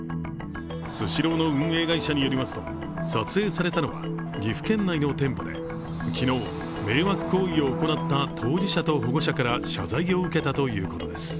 スシローの運営会社によりますと撮影されたのは岐阜県内の店舗で昨日、迷惑行為を行った当事者と保護者から謝罪を受けたということです。